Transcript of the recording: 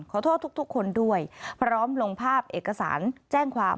ขอโทษทุกคนด้วยพร้อมลงภาพเอกสารแจ้งความ